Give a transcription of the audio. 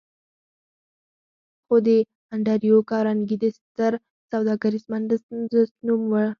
خو د انډريو کارنګي د ستر سوداګريز بنسټ نوم لوړ و.